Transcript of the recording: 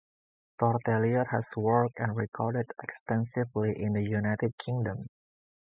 Tortelier has worked and recorded extensively in the United Kingdom.